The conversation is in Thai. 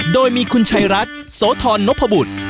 โดยมีคุณชัยรัฐโสธรนพบุตร